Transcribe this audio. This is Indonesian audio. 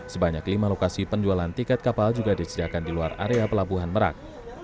sebanyak lima lokasi penjualan tiket kapal juga disediakan di luar area pelabuhan merak